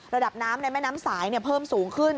ระดับน้ำในแม่น้ำสายเพิ่มสูงขึ้น